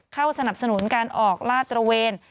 สนับสนุนการออกลาดตระเวน